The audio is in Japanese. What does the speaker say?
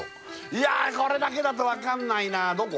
いやこれだけだと分かんないなどこ？